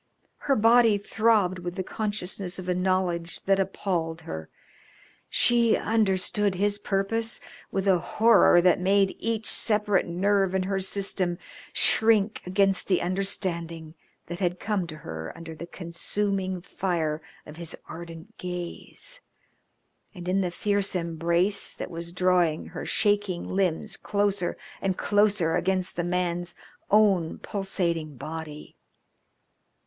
Her body throbbed with the consciousness of a knowledge that appalled her. She understood his purpose with a horror that made each separate nerve in her system shrink against the understanding that had come to her under the consuming fire of his ardent gaze, and in the fierce embrace that was drawing her shaking limbs closer and closer against the man's own pulsating body.